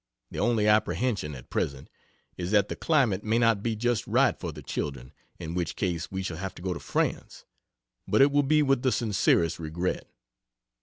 The only apprehension, at present, is that the climate may not be just right for the children, in which case we shall have to go to France, but it will be with the sincerest regret.